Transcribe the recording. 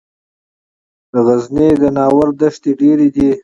د غزني د ناور دښتې ډیرې دي